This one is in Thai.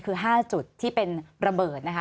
คือ๕จุดที่เป็นระเบิดนะคะ